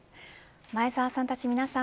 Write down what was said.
前澤さんたち皆さん